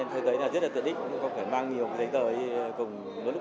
thế đấy là rất là dễ dàng